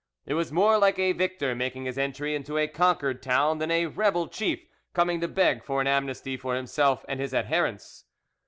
It was more like a victor making his entry into a conquered town than a rebel chief coming to beg for an amnesty for himself and his adherents.